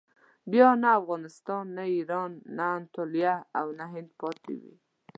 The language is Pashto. بیا نه افغانستان، نه ایران، نه اناتولیه او نه هند پاتې وي.